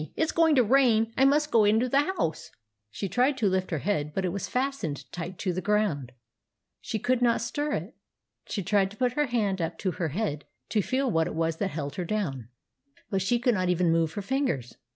It 's going to rain ; I must go into the house." no THE ADVENTURES OF MABEL She tried to lift her head ; but it was fast ened tight to the ground. She could not stir it. She tried to put her hand up to her head to feel what it was that held her down ; but she could not even move her fingers.